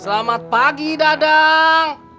selamat pagi dadang